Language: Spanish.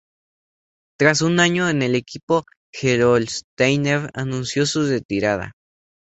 Tras un año en el equipo Gerolsteiner anunció su retirada.